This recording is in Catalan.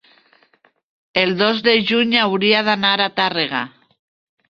el dos de juny hauria d'anar a Tàrrega.